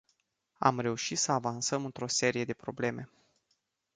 Am reușit să avansăm într-o serie de probleme.